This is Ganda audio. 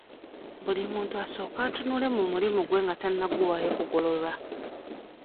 Buli muntu asooke atunule mu mulimu gwe nga tannaguwaayo kugololwa.